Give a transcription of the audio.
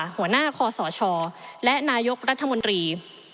หัวหน้าคอสชและนายกรัฐมนตรี